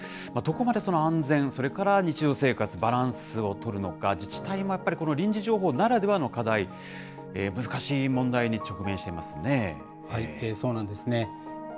どこまでその安全、それから日常生活、バランスを取るのか、自治体もやっぱりこの臨時情報ならではの課題、難しい問題に直面してそうなんですね。